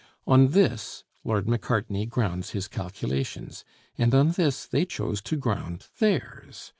On this Lord Macartney grounds his calculations, and on this they choose to ground theirs.